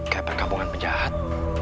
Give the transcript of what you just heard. kayak perkabungan penjahat